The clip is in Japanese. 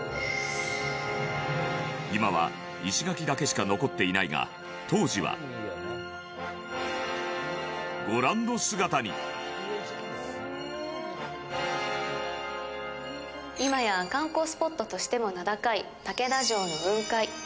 今は、石垣だけしか残っていないが、当時はご覧の姿に今や観光スポットとしても名高い竹田城の雲海。